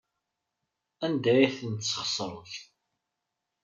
Anda ay ten-tesɣesreḍ?